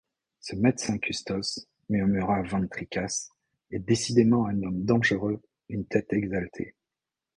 Ce médecin Custos, murmura van Tricasse, est décidément un homme dangereux, une tête exaltée !